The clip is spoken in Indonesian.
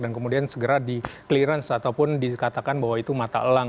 dan kemudian segera di clearance ataupun dikatakan bahwa itu mata elang